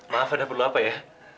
maaf ada perlu apa ya